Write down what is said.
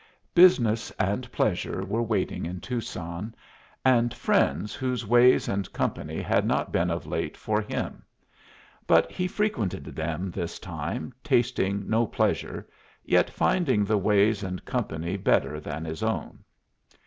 Business and pleasure were waiting in Tucson, and friends whose ways and company had not been of late for him; but he frequented them this time, tasting no pleasure, yet finding the ways and company better than his own.